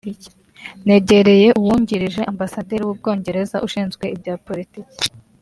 negereye uwungirije ambasaderi w’u Bwongereza ushinzwe ibya Politiki